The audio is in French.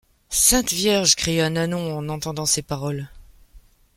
Sainte Vierge ! cria Nanon en entendant ces paroles.